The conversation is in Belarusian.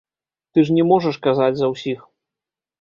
Ты ж не можаш казаць за ўсіх.